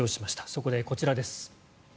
そこで、こちらです。